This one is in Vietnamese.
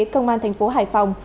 công an thành phố hải phòng